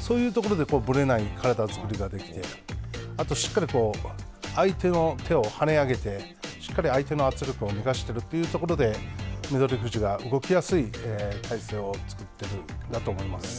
そういうところでぶれない体作りができて、あとしっかり相手の手をはね上げて、しっかり相手の圧力を逃がしているというところで、翠富士が動きやすい体勢を作っているんだと思います。